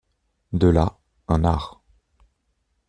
De là un art.